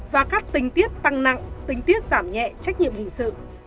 và các tính tiết tăng nặng tính tiết giảm nhẹ trách nhiệm hình sự